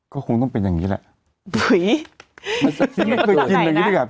ก็คงต้องเป็นอย่างงี้แหละที่ไม่เคยกินอย่างงี้ดีกว่า